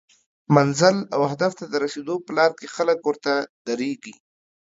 منزل او هدف ته د رسیدو په لار کې خلک ورته دریږي